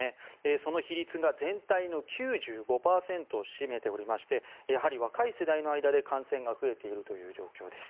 その比率が全体の９５％を占めていましてやはり若い世代の間で、感染が増えているという状況です。